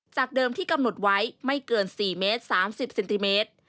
จากเดิมที่กำหนดไว้ไม่เกิน๔เมตร๓๐เซนติเมตร